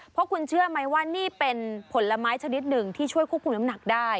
เพราะคุณเชื่อไหมว่านี่เป็นผลไม้ชนิดหนึ่งที่ช่วยควบคุมน้ำหนักได้